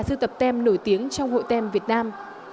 sưu tập tem nổi tiếng trong hội tem việt nam